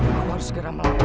mereka harus segera melakukan